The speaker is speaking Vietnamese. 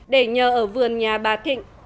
để nhờ ở vườn nhà bà thịnh